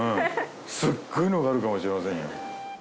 すごいのがあるかもしれませんよ。